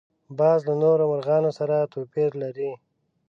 باز له نورو مرغانو سره توپیر لري